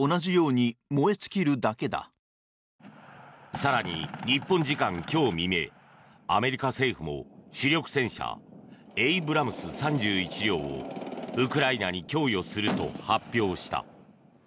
更に、日本時間今日未明アメリカ政府も主力戦車エイブラムス３１両をウクライナに供与すると発表した。